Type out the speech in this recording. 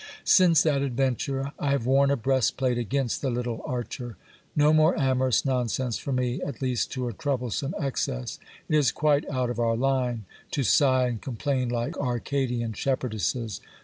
Since that adventure, I have worn a breastplate against the little archer. No more amorous nonsense for me, at least to a troublesome excess ! It is quite out of our line, to sigh and complain like Arcadian shepherdesses.